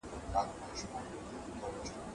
زه تمرين کړي دي.